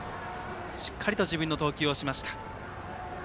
しっかりと自分の投球をしました。